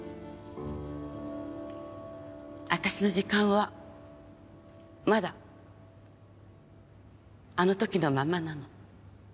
私の時間はまだあの時のままなの。